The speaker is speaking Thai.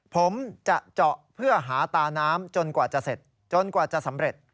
ผมจะเจาะเพื่อหาตาน้ำจนกว่าจะเสร็จจนกว่าจะสำเร็จ